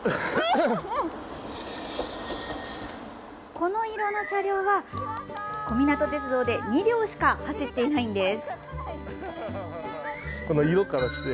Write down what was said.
この色の車両は小湊鐵道で２両しか走っていないんです。